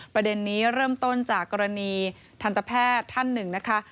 ประเด็นนี้เริ่มต้นจากกรณีทันตแพทย์ท่านหนึ่งนะคะ